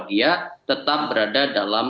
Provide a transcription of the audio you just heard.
dia tetap berada dalam